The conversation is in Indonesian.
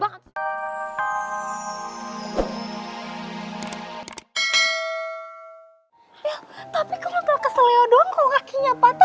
bel tapi kok lo ga kesel doang kalo kakinya patah